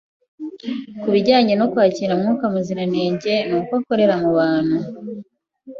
ku bijyanye no kwakira Mwuka Muziranenge n’uko akorera mu bantu.